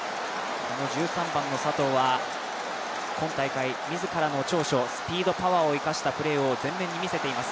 １３番の佐藤は今大会、自らの長所、スピード、パワーを生かしたプレーを前面に見せています。